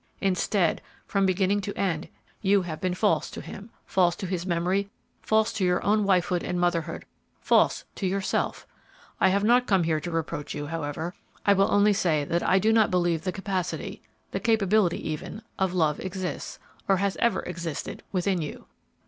Instead, from beginning to end, you have been false to him, false to his memory, false to your own wifehood and motherhood, false to yourself! I have not come here to reproach you, however. I will only say that I do not believe the capacity the capability even of love exists, or has ever existed, within you.